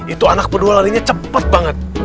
itu anak berdua larinya cepet banget